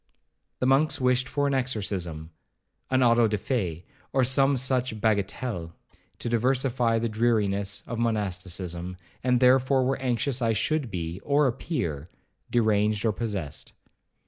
The monks wished for an exorcism, an auto de fe, or some such bagatelle, to diversify the dreariness of monasticism, and therefore were anxious I should be, or appear, deranged or possessed.